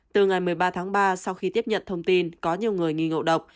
từ ngày một mươi ba tháng ba sau khi tiếp nhận thông tin có nhiều người nghi ngộ độc